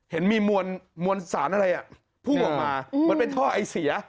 เห็นมีมวลสารอะไรพุ่งออกมาเหมือนเป็นท่อไอเสีย